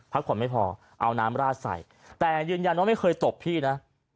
ผลไม่พอเอาน้ำราดใส่แต่ยืนยันว่าไม่เคยตบพี่นะ